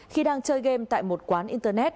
khi đang chơi game tại một quán internet